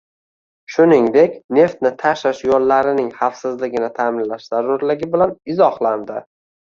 shuningdek, neftni tashish yo‘llarining xavfsizligini ta’minlash zarurligi bilan izohlandi.